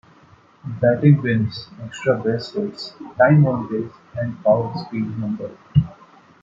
Batting Wins, Extra Base Hits, Times On Base, and Power-Speed number.